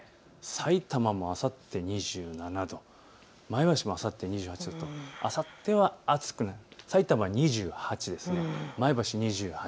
さいたまもあさって２７度、前橋もあさって２８度とあさっては暑くなります。